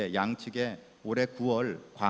dan presiden lg